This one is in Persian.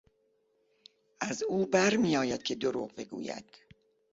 از او بر میآید که دروغ بگوید.